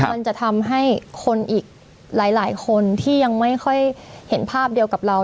มันจะทำให้คนอีกหลายคนที่ยังไม่ค่อยเห็นภาพเดียวกับเรา